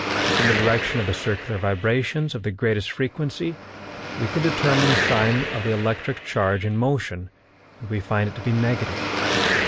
From the direction of the circular vibrations of the greatest frequency we can determine the sign of the electric charge in motion and we find it to be negative.